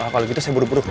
kalau gitu saya buru buru